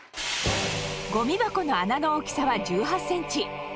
ゴミ箱の穴の大きさは１８センチ。